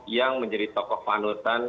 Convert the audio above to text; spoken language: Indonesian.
yang menjadi tokoh panutan